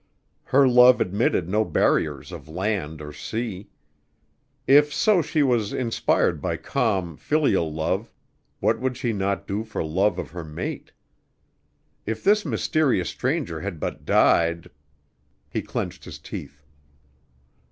Her love admitted no barriers of land or sea. If so she was inspired by calm, filial love, what would she not do for love of her mate? If this mysterious stranger had but died he clenched his teeth.